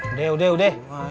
udah udah udah